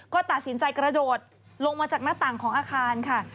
ก็ตัดสินใจกระโดดลงมาจากหน้าต่างของอาคารค่ะ